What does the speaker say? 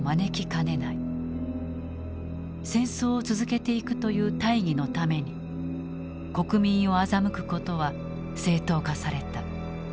戦争を続けていくという大義のために国民を欺くことは正当化された。